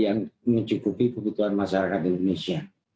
yang mencukupi kebutuhan masyarakat indonesia